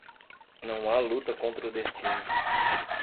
Não há luta contra o destino.